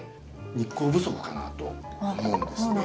日光不足かなと思うんですね。